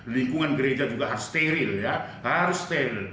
lingkungan gereja juga harus steril ya harus steril